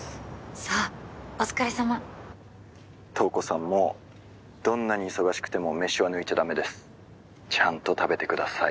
☎そうお疲れさま☎瞳子さんもどんなに忙しくてもメシは抜いちゃダメです☎ちゃんと食べてください